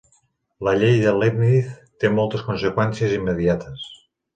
La Llei de Leibniz té moltes conseqüències immediates.